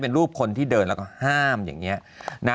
เป็นรูปคนที่เดินแล้วก็ห้ามอย่างนี้นะ